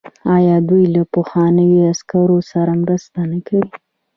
آیا دوی له پخوانیو عسکرو سره مرسته نه کوي؟